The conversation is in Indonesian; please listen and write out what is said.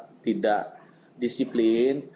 masyarakat tidak disiplin